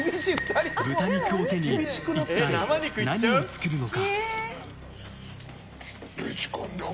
豚肉を手に一体何を作るのか？